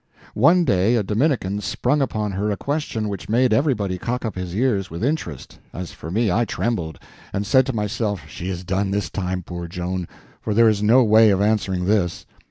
One day a Dominican sprung upon her a question which made everybody cock up his ears with interest; as for me, I trembled, and said to myself she is done this time, poor Joan, for there is no way of answering this.